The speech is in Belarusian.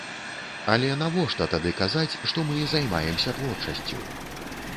Але навошта тады казаць, што мы займаемся творчасцю?